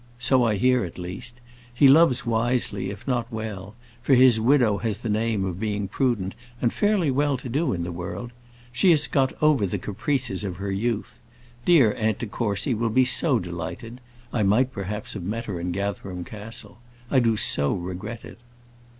So I hear, at least. He loves wisely, if not well; for his widow has the name of being prudent and fairly well to do in the world. She has got over the caprices of her youth. Dear Aunt de Courcy will be so delighted. I might perhaps have met her at Gatherum Castle. I do so regret it.